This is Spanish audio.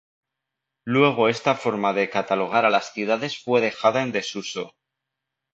Luego esta forma de catalogar a las ciudades fue dejada en desuso.